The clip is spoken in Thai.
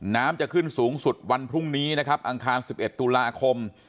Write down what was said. น้ำจะขึ้นสูงสุดวันพรุ่งนี้นะครับอังคาร๑๑ตุลาคม